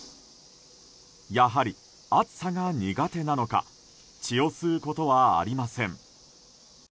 やはり、暑さが苦手なのか血を吸うことはありません。